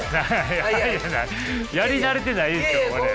やり慣れてないでしょこれ。